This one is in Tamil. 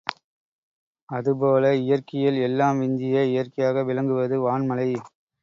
அது போல இயற்கையில் எல்லாம் விஞ்சிய இயற்கையாக விளங்குவது வான்மழை.